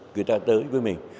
người ta tới với mình